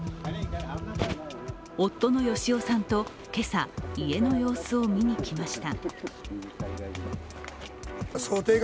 夫の嘉男さんと今朝家の様子を見に来ました。